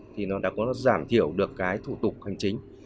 thì nó đã có giảm thiểu được cái thủ tục hành chính